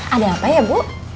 ada apa ya bu